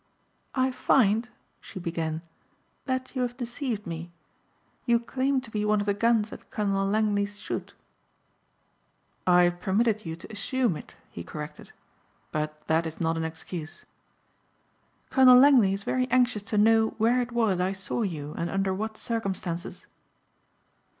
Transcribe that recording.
"I find," she began, "that you have deceived me. You claimed to be one of the guns at Colonel Langley's shoot." "I permitted you to assume it," he corrected, "but that is not an excuse." "Colonel Langley is very anxious to know where it was I saw you and under what circumstances."